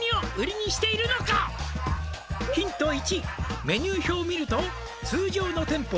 「ヒント１」「メニュー表を見ると通常の店舗は」